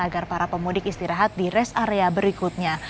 agar para pemudik istirahat di rest area berikutnya